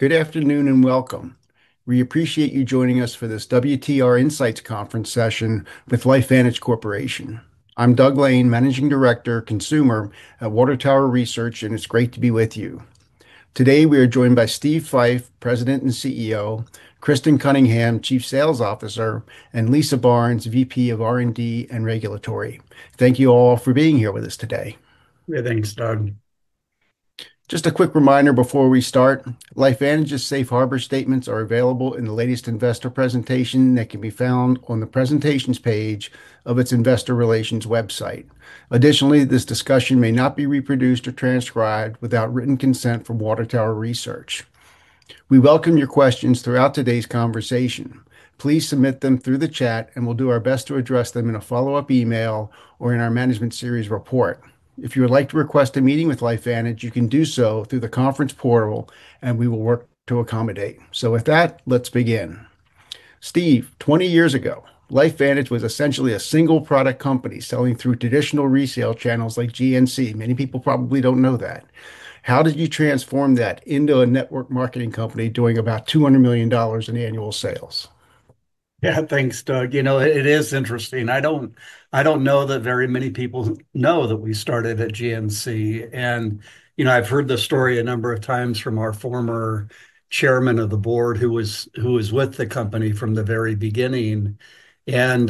Good afternoon and welcome. We appreciate you joining us for this WTR Insights conference session with LifeVantage Corporation. I'm Doug Lane, Managing Director, Consumer at Water Tower Research, and it's great to be with you. Today, we are joined by Steve Fife, President and CEO, Kristen Cunningham, Chief Sales Officer, and Lisa Barnes, VP of R&D and Regulatory. Thank you all for being here with us today. Yeah, thanks, Doug. Just a quick reminder before we start, LifeVantage's safe harbor statements are available in the latest investor presentation that can be found on the presentations page of its investor relations website. Additionally, this discussion may not be reproduced or transcribed without written consent from Water Tower Research. We welcome your questions throughout today's conversation. Please submit them through the chat, and we'll do our best to address them in a follow-up email or in our management series report. If you would like to request a meeting with LifeVantage, you can do so through the conference portal, and we will work to accommodate. With that, let's begin. Steve, 20 years ago, LifeVantage was essentially a single product company selling through traditional resale channels like GNC. Many people probably don't know that. How did you transform that into a network marketing company doing about $200 million in annual sales? Yeah, thanks, Doug. It is interesting. I don't know that very many people know that we started at GNC. I've heard this story a number of times from our former Chairman of the Board, who was with the company from the very beginning. Some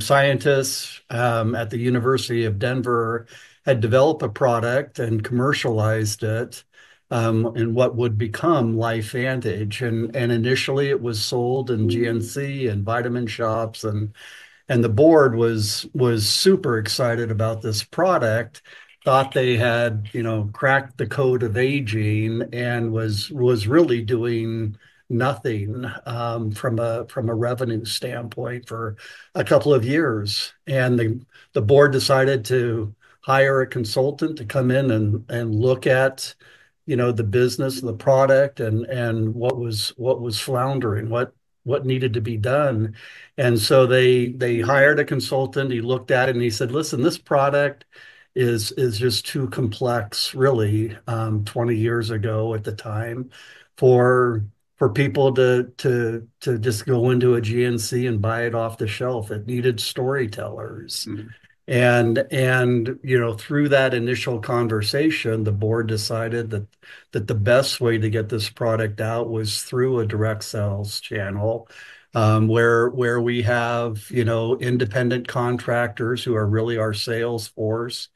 scientists at the University of Colorado, Denver had developed a product and commercialized it in what would become LifeVantage. Initially, it was sold in GNC and vitamin shops, and the Board was super excited about this product, thought they had cracked the code of aging, and was really doing nothing from a revenue standpoint for a couple of years. The Board decided to hire a consultant to come in and look at the business, the product, and what was floundering, what needed to be done. They hired a consultant, he looked at it, and he said, "Listen, this product is just too complex," really, 20 years ago at the time, for people to just go into a GNC and buy it off the shelf. It needed storytellers. Mm-hmm. Through that initial conversation, the Board decided that the best way to get this product out was through a direct sales channel, where we have independent contractors who are really our sales force.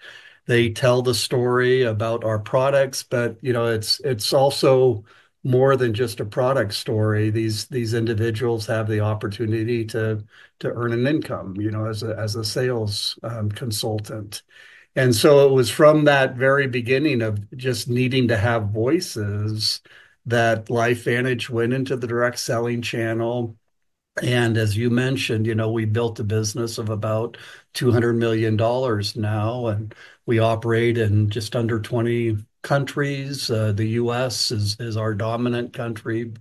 They tell the story about our products. It's also more than just a product story. These individuals have the opportunity to earn an income as a sales consultant. It was from that very beginning of just needing to have voices that LifeVantage went into the direct selling channel. As you mentioned, we built a business of about $200 million now, and we operate in just under 20 countries. The US is our dominant country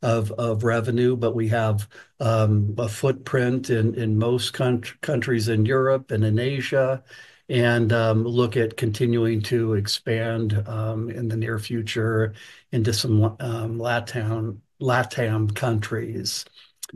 of revenue, but we have a footprint in most countries in Europe and in Asia, and look at continuing to expand in the near future into some LATAM countries.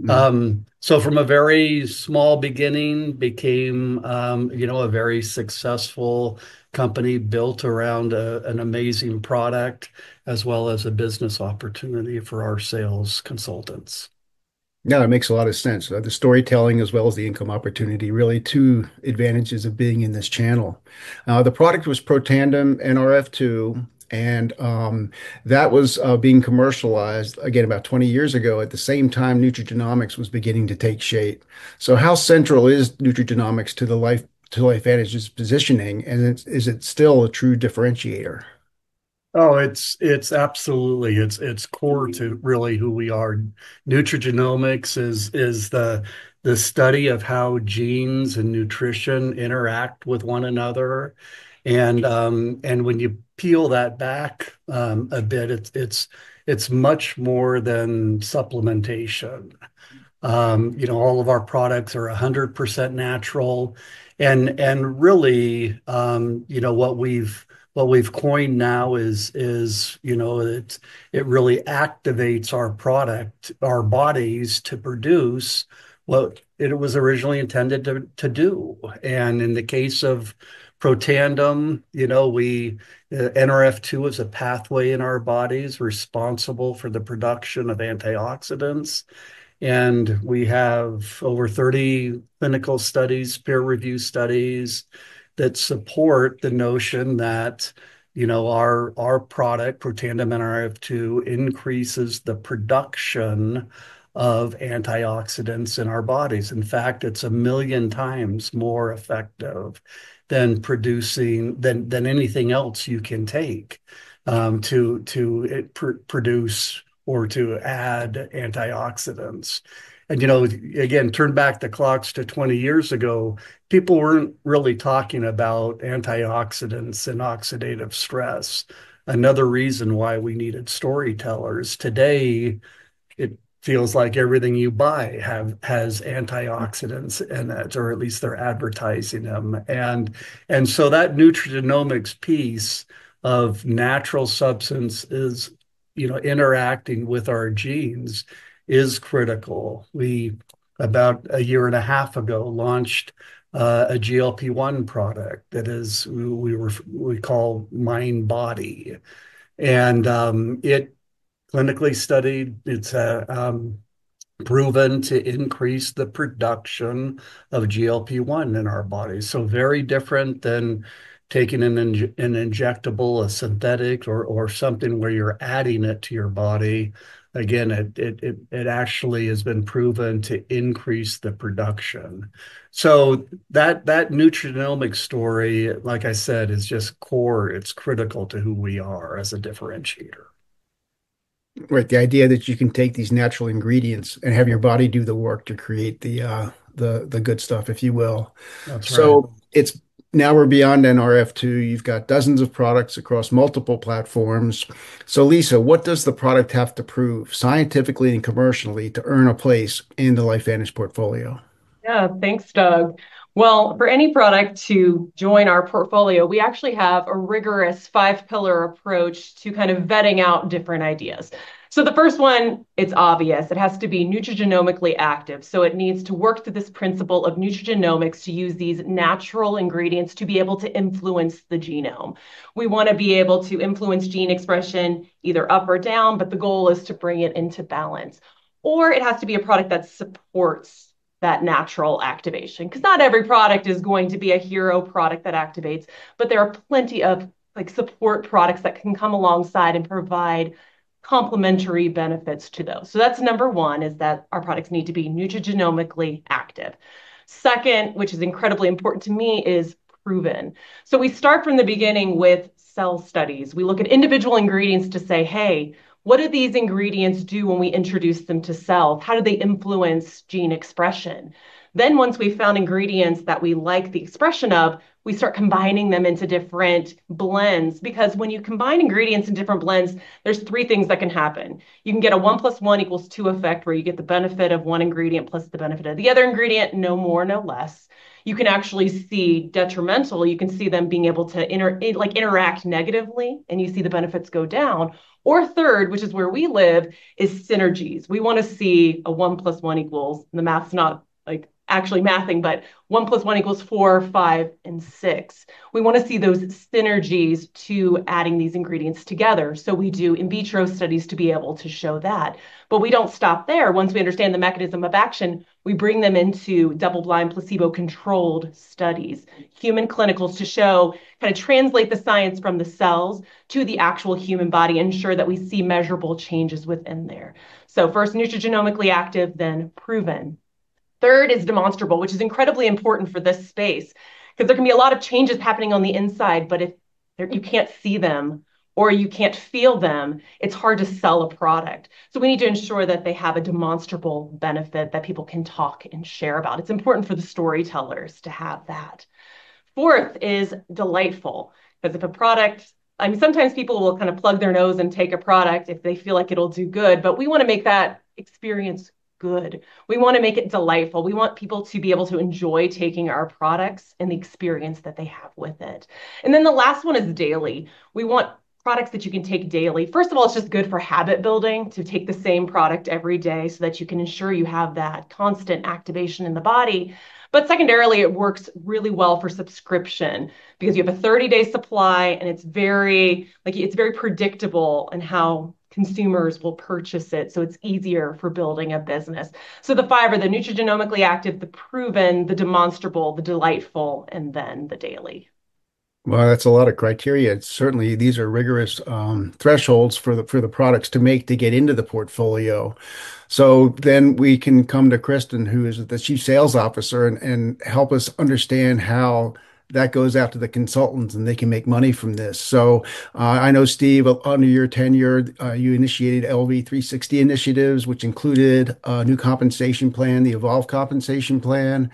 Mm-hmm. From a very small beginning became a very successful company built around an amazing product as well as a business opportunity for our sales consultants. Yeah, that makes a lot of sense. The storytelling as well as the income opportunity, really two advantages of being in this channel. The product was Protandim Nrf2, and that was being commercialized, again, about 20 years ago, at the same time nutrigenomics was beginning to take shape. How central is nutrigenomics to LifeVantage's positioning, and is it still a true differentiator? Oh, it's absolutely core to really who we are. Nutrigenomics is the study of how genes and nutrition interact with one another. When you peel that back a bit, it's much more than supplementation. All of our products are 100% natural, and really, what we've coined now is it really activates our bodies to produce what it was originally intended to do. In the case of Protandim, Nrf2 is a pathway in our bodies responsible for the production of antioxidants. We have over 30 clinical studies, peer-reviewed studies, that support the notion that our product, Protandim Nrf2, increases the production of antioxidants in our bodies. In fact, it's 1 million times more effective than anything else you can take to produce or to add antioxidants. Again, turn back the clocks to 20 years ago, people weren't really talking about antioxidants and oxidative stress, another reason why we needed storytellers. Today, it feels like everything you buy has antioxidants in it, or at least they're advertising them. That nutrigenomics piece of natural substances.... interacting with our genes is critical. We, about a year and a half ago, launched a GLP-1 product that is, we call MindBody. And it clinically studied, it's proven to increase the production of GLP-1 in our body. So very different than taking an injectable, a synthetic, or something where you're adding it to your body. Again, it actually has been proven to increase the production. So that nutrigenomic story, like I said, is just core, it's critical to who we are as a differentiator. Right. The idea that you can take these natural ingredients and have your body do the work to create the good stuff, if you will. That's right. Now we're beyond Nrf2. You've got dozens of products across multiple platforms. Lisa, what does the product have to prove scientifically and commercially to earn a place in the LifeVantage portfolio? Yeah. Thanks, Doug. Well, for any product to join our portfolio, we actually have a rigorous five-pillar approach to kind of vetting out different ideas. The first one, it's obvious, it has to be nutrigenomically active. It needs to work through this principle of nutrigenomics to use these natural ingredients to be able to influence the genome. We want to be able to influence gene expression either up or down, but the goal is to bring it into balance. It has to be a product that supports that natural activation. Because not every product is going to be a hero product that activates, but there are plenty of support products that can come alongside and provide complementary benefits to those. That's number one, is that our products need to be nutrigenomically active. Second, which is incredibly important to me, is proven. We start from the beginning with cell studies. We look at individual ingredients to say, "Hey, what do these ingredients do when we introduce them to cells? How do they influence gene expression?" Once we've found ingredients that we like the expression of, we start combining them into different blends, because when you combine ingredients in different blends, there's three things that can happen. You can get a one plus one equals two effect, where you get the benefit of one ingredient plus the benefit of the other ingredient, no more, no less. You can actually see detrimental, you can see them being able to interact negatively, and you see the benefits go down. Third, which is where we live, is synergies. We want to see a one plus one equals, and the math's not like actually mathing, but one plus one equals four, five, and six. We want to see those synergies to adding these ingredients together. We do in vitro studies to be able to show that. We don't stop there. Once we understand the mechanism of action, we bring them into double-blind, placebo-controlled studies, human clinicals to show kind of translate the science from the cells to the actual human body, ensure that we see measurable changes within there. First, nutrigenomically active, then proven. Third is demonstrable, which is incredibly important for this space. Because there can be a lot of changes happening on the inside, but if you can't see them or you can't feel them, it's hard to sell a product. We need to ensure that they have a demonstrable benefit that people can talk and share about. It's important for the storytellers to have that. Fourth is delightful. I mean, sometimes people will kind of plug their nose and take a product if they feel like it'll do good, but we want to make that experience good. We want to make it delightful. We want people to be able to enjoy taking our products and the experience that they have with it. The last one is daily. We want products that you can take daily. First of all, it's just good for habit building to take the same product every day so that you can ensure you have that constant activation in the body. Secondarily, it works really well for subscription, because you have a 30-day supply, and it's very predictable in how consumers will purchase it, so it's easier for building a business. The five are the nutrigenomically active, the proven, the demonstrable, the delightful, and then the daily. Well, that's a lot of criteria. Certainly, these are rigorous thresholds for the products to make to get into the portfolio. We can come to Kristen, who is the Chief Sales Officer, and help us understand how that goes out to the consultants, and they can make money from this. I know, Steve, under your tenure, you initiated LV360 initiatives, which included a new compensation plan, the Evolve Compensation Plan.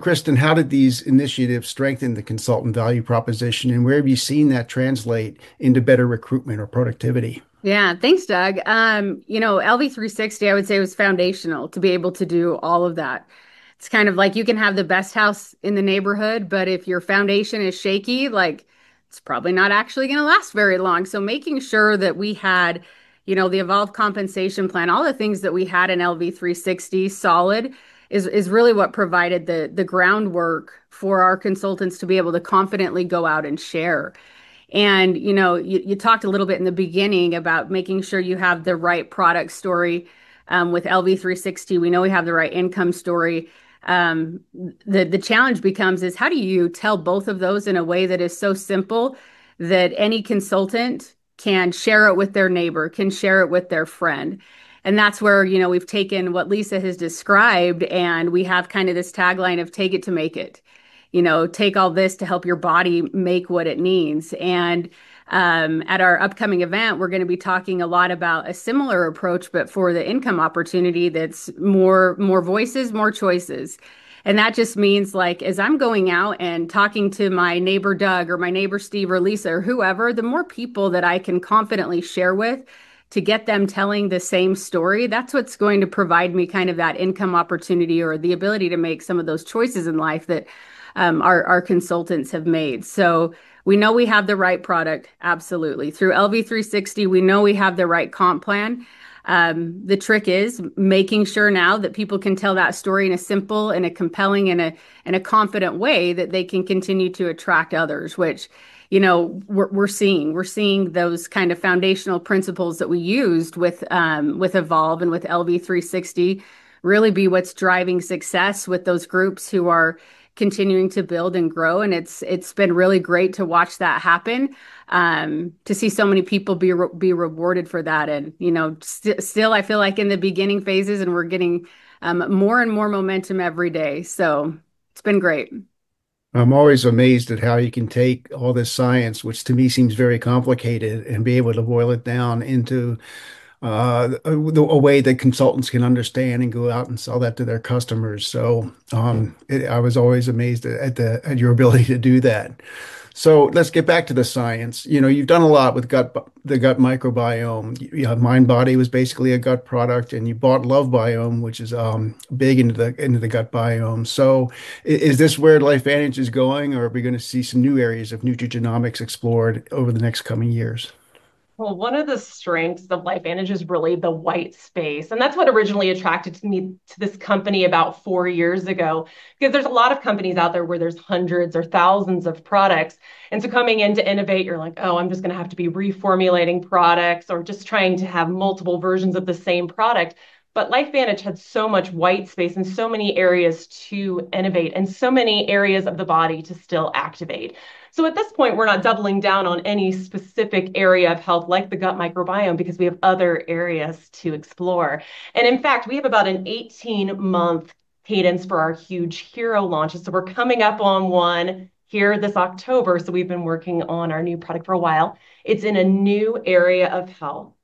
Kristen, how did these initiatives strengthen the consultant value proposition, and where have you seen that translate into better recruitment or productivity? Yeah. Thanks, Doug. LV360, I would say, was foundational to be able to do all of that. It's kind of like you can have the best house in the neighborhood, but if your foundation is shaky, it's probably not actually going to last very long. Making sure that we had the Evolve Compensation Plan, all the things that we had in LV360 solid, is really what provided the groundwork for our consultants to be able to confidently go out and share. You talked a little bit in the beginning about making sure you have the right product story. With LV360, we know we have the right income story. The challenge becomes is how do you tell both of those in a way that is so simple that any consultant can share it with their neighbor, can share it with their friend? That's where we've taken what Lisa has described, and we have kind of this tagline of take it to make it. Take all this to help your body make what it needs. At our upcoming event, we're going to be talking a lot about a similar approach, but for the income opportunity that's more voices, more choices. That just means as I'm going out and talking to my neighbor Doug or my neighbor Steve or Lisa or whoever, the more people that I can confidently share with to get them telling the same story, that's what's going to provide me kind of that income opportunity or the ability to make some of those choices in life that our consultants have made. We know we have the right product, absolutely. Through LV360, we know we have the right comp plan. The trick is making sure now that people can tell that story in a simple, in a compelling, and a confident way that they can continue to attract others, which we're seeing. We're seeing those kind of foundational principles that we used with Evolve and with LV360 really be what's driving success with those groups who are continuing to build and grow. It's been really great to watch that happen, to see so many people be rewarded for that. Still, I feel like in the beginning phases, and we're getting more and more momentum every day. It's been great. I'm always amazed at how you can take all this science, which to me seems very complicated, and be able to boil it down into a way that consultants can understand and go out and sell that to their customers. I was always amazed at your ability to do that. Let's get back to the science. You've done a lot with the gut microbiome. You have MindBody, was basically a gut product, and you bought LoveBiome, which is big into the gut biome. Is this where LifeVantage is going, or are we going to see some new areas of nutrigenomics explored over the next coming years? Well, one of the strengths of LifeVantage is really the white space, and that's what originally attracted me to this company about four years ago. Because there's a lot of companies out there where there's hundreds or thousands of products, and so coming in to innovate, you're like, "Oh, I'm just going to have to be reformulating products," or just trying to have multiple versions of the same product. LifeVantage had so much white space and so many areas to innovate, and so many areas of the body to still activate. At this point, we're not doubling down on any specific area of health, like the gut microbiome, because we have other areas to explore. In fact, we have about an 18-month cadence for our huge hero launches. We're coming up on one here this October, so we've been working on our new product for a while. It's in a new area of health.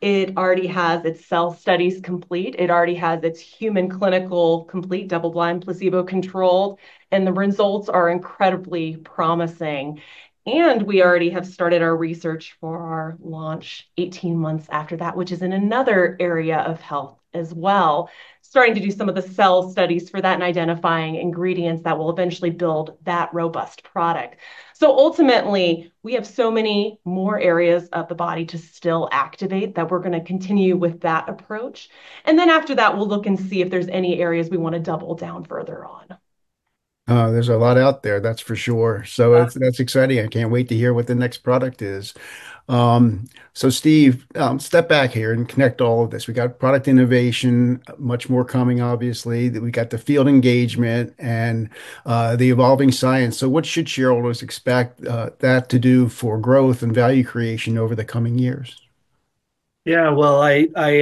It already has its cell studies complete. It already has its human clinical complete, double-blind, placebo-controlled, and the results are incredibly promising. We already have started our research for our launch 18 months after that, which is in another area of health as well, starting to do some of the cell studies for that and identifying ingredients that will eventually build that robust product. Ultimately, we have so many more areas of the body to still activate that we're going to continue with that approach. After that, we'll look and see if there's any areas we want to double down further on. Oh, there's a lot out there, that's for sure. That's exciting. I can't wait to hear what the next product is. Steve, step back here and connect all of this. We got product innovation, much more coming, obviously. We got the field engagement and the evolving science. What should shareholders expect that to do for growth and value creation over the coming years? Yeah, well, I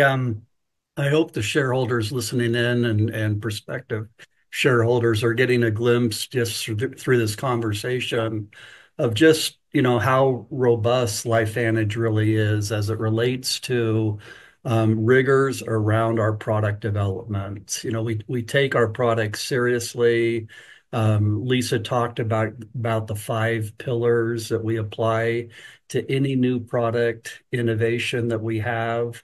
hope the shareholders listening in, and prospective shareholders, are getting a glimpse just through this conversation of just how robust LifeVantage really is as it relates to rigors around our product development. We take our products seriously. Lisa talked about the five pillars that we apply to any new product innovation that we have.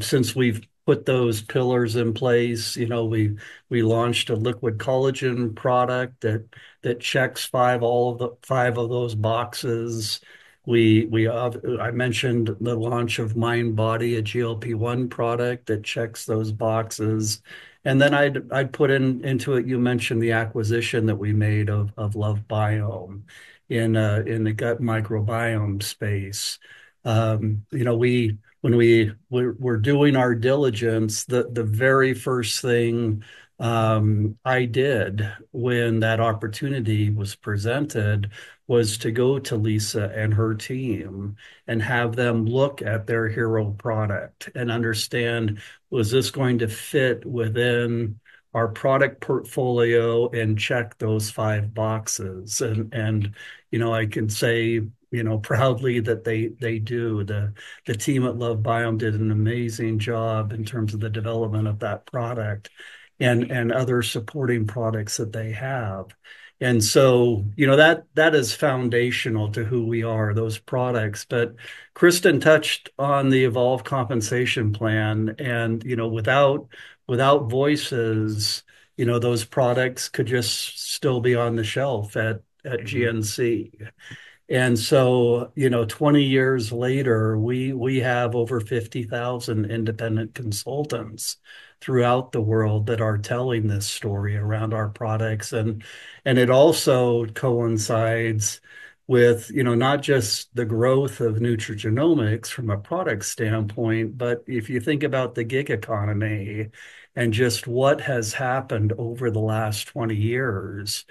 Since we've put those pillars in place, we launched a liquid collagen product that checks five of those boxes. I mentioned the launch of MindBody, a GLP-1 product that checks those boxes. I'd put into it, you mentioned the acquisition that we made of LoveBiome in the gut microbiome space. When we were doing our diligence, the very first thing I did when that opportunity was presented was to go to Lisa and her team and have them look at their hero product and understand, was this going to fit within our product portfolio and check those five boxes? I can say proudly that they do. The team at LoveBiome did an amazing job in terms of the development of that product and other supporting products that they have. That is foundational to who we are, those products. Kristen touched on the Evolve Compensation Plan, and without voices, those products could just still be on the shelf at GNC. 20 years later, we have over 50,000 independent consultants throughout the world that are telling this story around our products. It also coincides with not just the growth of nutrigenomics from a product standpoint, but if you think about the gig economy and just what has happened over the last 20 years,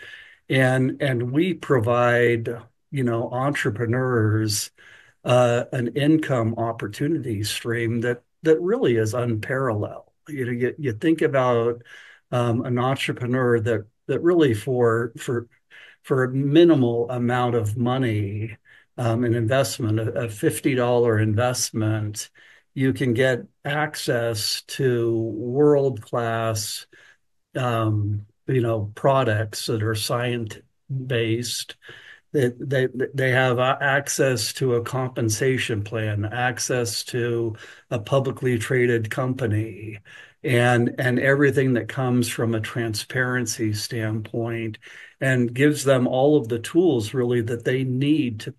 we provide entrepreneurs an income opportunity stream that really is unparalleled. You think about an entrepreneur that really for a minimal amount of money, an investment, a $50 investment, you can get access to world-class products that are science-based. They have access to a compensation plan, access to a publicly traded company, and everything that comes from a transparency standpoint, and gives them all of the tools really that they need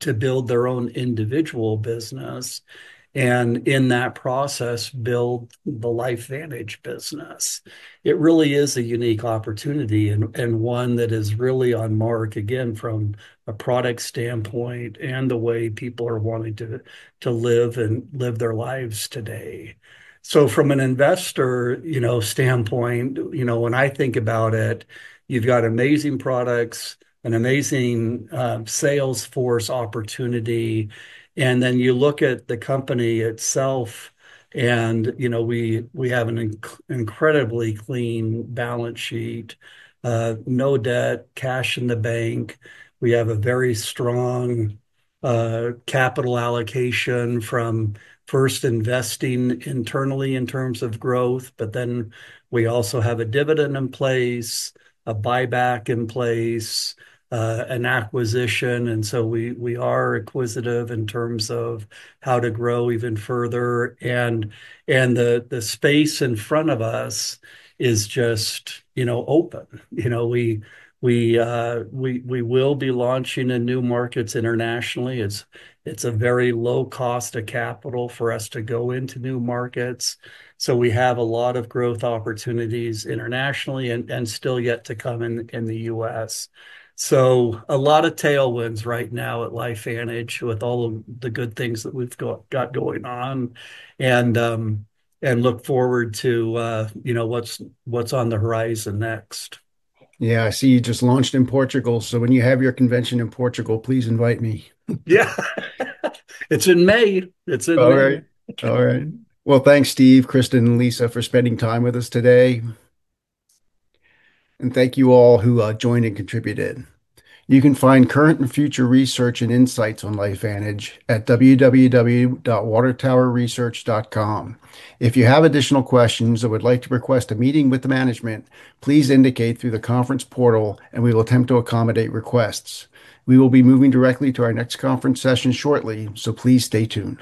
to build their own individual business, and in that process, build the LifeVantage business. It really is a unique opportunity, and one that is really on mark, again, from a product standpoint and the way people are wanting to live their lives today. From an investor standpoint, when I think about it, you've got amazing products, an amazing sales force opportunity, and then you look at the company itself, and we have an incredibly clean balance sheet, no debt, cash in the bank. We have a very strong capital allocation from first investing internally in terms of growth, but then we also have a dividend in place, a buyback in place, an acquisition, and so we are acquisitive in terms of how to grow even further. The space in front of us is just open. We will be launching in new markets internationally. It's a very low cost of capital for us to go into new markets, so we have a lot of growth opportunities internationally and still yet to come in the US. A lot of tailwinds right now at LifeVantage with all of the good things that we've got going on, and look forward to what's on the horizon next. Yeah, I see you just launched in Portugal, so when you have your convention in Portugal, please invite me. Yeah. It's in May. All right. Well, thanks, Steve, Kristen, and Lisa, for spending time with us today. Thank you all who joined and contributed. You can find current and future research and insights on LifeVantage at www.watertowerresearch.com. If you have additional questions or would like to request a meeting with the management, please indicate through the conference portal, and we will attempt to accommodate requests. We will be moving directly to our next conference session shortly, so please stay tuned.